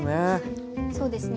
そうですね